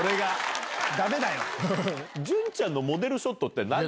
潤ちゃんのモデルショット何？